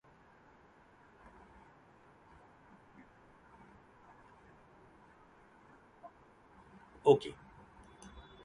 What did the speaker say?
Standing before me was a creature unlike anything I had ever seen before.